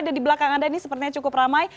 ada di belakang anda ini sepertinya cukup ramai